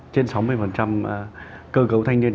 trên sáu mươi cơ cấu thanh niên